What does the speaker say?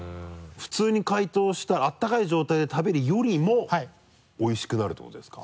普通に解凍した温かい状態で食べるよりもおいしくなるっていうことですか？